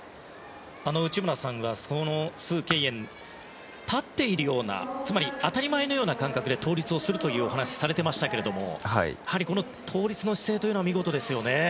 内村さんがスウ・ケイエンは立っているようなつまり当たり前のような感覚で倒立をするというお話をされていましたけどやはり倒立の姿勢は見事ですよね。